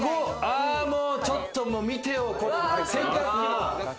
ちょっと見てよ、洗濯機も。